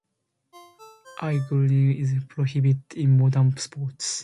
Eye-gouging is prohibited in modern sports.